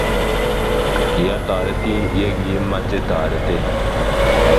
kiatoritin ya kiimeche toretet